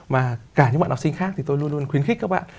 mà cả những bạn học sinh khác thì tôi luôn luôn khuyến khích các bạn